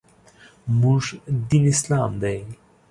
موږ دین اسلام دی .